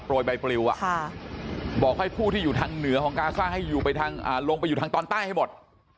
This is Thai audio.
โปรยใบปลิวอ่ะค่ะบอกให้ผู้ที่อยู่ทางเหนือของกาซ่าให้อยู่ไปทางอ่าลงไปอยู่ทางตอนใต้ให้หมด